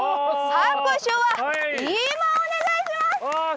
拍手は今お願いします！